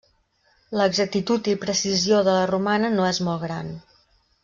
L'exactitud i precisió de la romana no és molt gran.